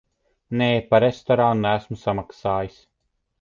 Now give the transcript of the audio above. Nē, par restorānu neesmu samaksājis.